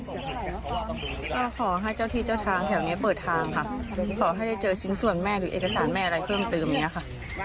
ก็ขอให้เจ้าที่เจ้าทางแถวนี้เปิดทางค่ะขอให้ได้เจอชิ้นส่วนแม่หรือเอกสารแม่อะไรเพิ่มเติมอย่างนี้ค่ะ